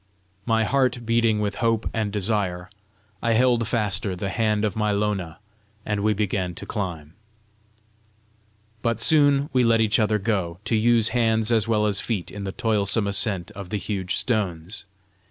My heart beating with hope and desire, I held faster the hand of my Lona, and we began to climb; but soon we let each other go, to use hands as well as feet in the toilsome ascent of the huge stones.